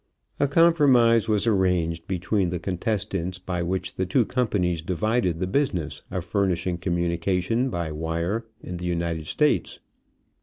A compromise was arranged between the contestants by which the two companies divided the business of furnishing communication by wire in the United States.